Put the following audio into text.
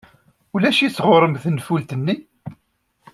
Ulac-itt ɣer-m tenfult-nni.